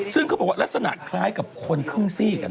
ซึ่งเขาบอกว่าลักษณะคล้ายกับคนครึ่งซีก